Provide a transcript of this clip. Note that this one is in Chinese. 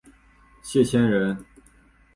谢迁人。